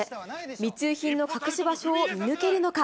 密輸品の隠し場所を見抜けるのか。